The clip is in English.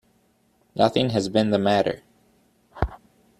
Nothing has been the matter.